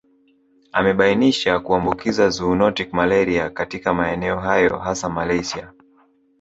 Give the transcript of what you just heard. Amebainishwa kuambukiza zoonotic malaria katika maeneo hayo hasa Malaysia